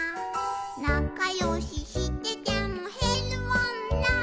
「なかよししててもへるもんな」